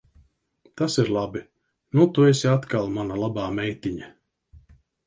Tas ir labi. Nu tu esi atkal mana labā meitiņa.